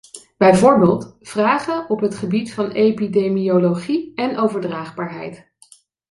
Bij voorbeeld, vragen op het gebied van epidemiologie en overdraagbaarheid.